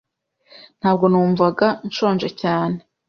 Ntabwo numvaga nshonje cyane.